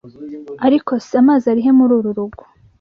Ariko se amazi ari he muri uru rugo